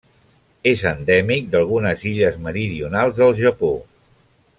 És endèmic d'algunes illes meridionals del Japó.